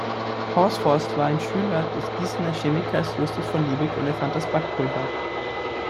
Horsford war ein Schüler des Gießener Chemikers Justus von Liebig und erfand das Backpulver.